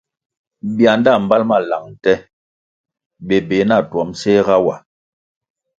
Bianda mbal ma lang nte bébéh na tuom séhga wa.